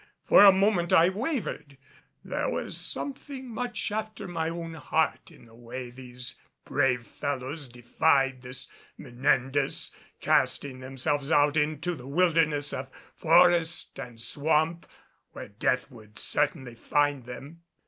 For a moment I wavered. There was something much after my own heart in the way these brave fellows defied this Menendez, casting themselves out into the wilderness of forest and swamp where death would certainly find them.